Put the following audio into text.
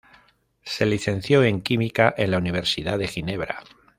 Se licenció en Química en la Universidad de Ginebra.